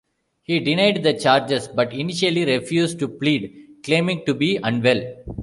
He denied the charges but initially refused to plead, claiming to be unwell.